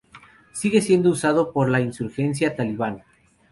Sigue siendo usado por la insurgencia talibán.